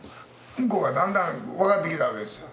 向こうはだんだん分かってきたわけですよ。